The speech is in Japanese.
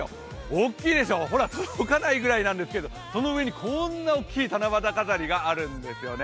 大きいでしょう、ほら届かないぐらいんなんですけどその上に、こんな大きい七夕飾りがあるんですよね。